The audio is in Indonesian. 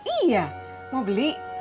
iya mau beli